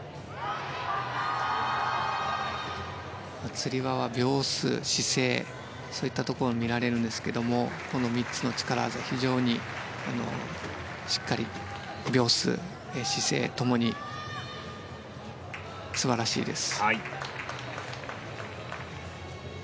つり輪は秒数、姿勢そういったところを見られるんですが３つの力技、非常にしっかりと秒数、姿勢ともに素晴らしいです。